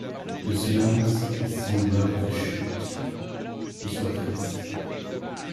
De silence, et sanglote à ta chute, : et soit triste ?